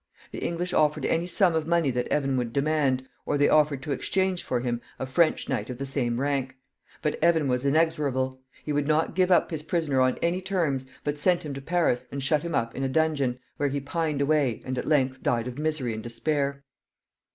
The English offered any sum of money that Evan would demand, or they offered to exchange for him a French knight of the same rank; but Evan was inexorable. He would not give up his prisoner on any terms, but sent him to Paris, and shut him up in a dungeon, where he pined away, and at length died of misery and despair.